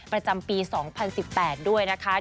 ประจำปี๒๐๑๘ด้วยนะคะ